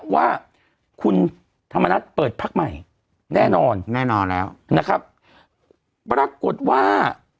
ว่าคุณธรรมนัฐเปิดพักใหม่แน่นอนแน่นอนแล้วนะครับปรากฏว่า